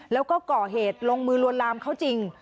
แล้วก็ก่อเหตุลงมือลวนลามเขาจริง